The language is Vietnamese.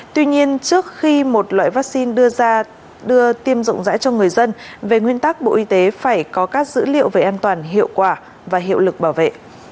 tuy nhiên trước khi một loại vaccine đưa ra đưa tiêm rộng rãi cho người dân về nguyên tắc bộ y tế phải có các dữ liệu về an toàn hiệu quả và hiệu lực bảo vệ